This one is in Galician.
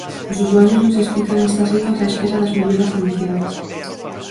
Os usuarios non se explican estas eivas á espera das melloras anunciadas.